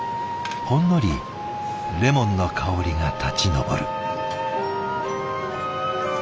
ほんのりレモンの香りが立ち上る。